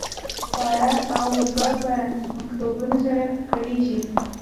خواړه او اوبه په میکروبونو سره ککړېږي.